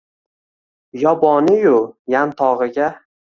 Yoboni-yu yantogʼiga